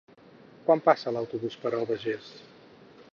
Quan passa l'autobús per l'Albagés?